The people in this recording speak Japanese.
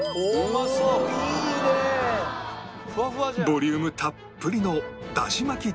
ボリュームたっぷりの